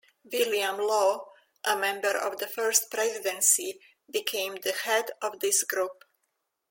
William Law, a member of the First Presidency, became the head of this group.